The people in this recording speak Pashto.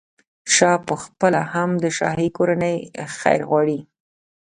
شاه پخپله هم د شاهي کورنۍ خیر غواړي.